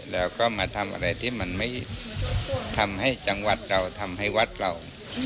แล้วก็มาทำอะไรที่มันไม่ทำให้จังหวัดเราทำให้วัดเรา